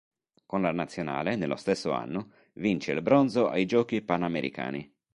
Con la nazionale, nello stesso anno, vince il bronzo ai Giochi panamericani.